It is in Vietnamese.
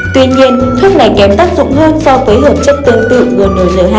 tuy nhiên thuốc này kém tác dụng hơn so với hợp chất tương tự gnrh